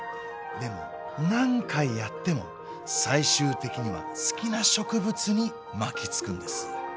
でも何回やっても最終的には好きな植物に巻きつくんです。